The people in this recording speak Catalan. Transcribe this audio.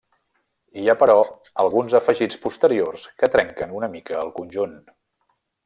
Hi ha, però, alguns afegits posteriors que trenquen una mica el conjunt.